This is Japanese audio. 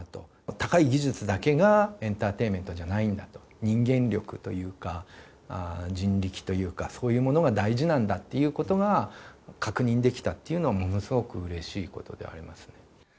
高い技術だけがエンターテイメントじゃないんだと、人間力というか、人力というか、そういうものが大事なんだっていうことが、確認できたっていうのが、ものすごくうれしいことでありますね。